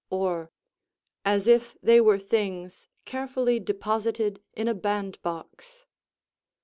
(Or:) "as if they were things carefully deposited in a band box."